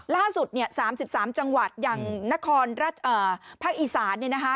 ล่าสุด๓๓จังหวัดอย่างนครภาคอีสาน